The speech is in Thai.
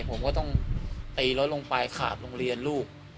ผมก็ต้องตีรถลงไปขาดโรงเรียนลูก